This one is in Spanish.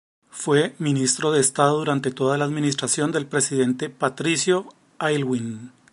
Fue ministro de Estado durante toda la administración del presidente Patricio Aylwin.